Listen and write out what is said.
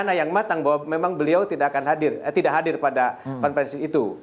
bagaimana yang matang bahwa memang beliau tidak akan hadir tidak hadir pada konferensi itu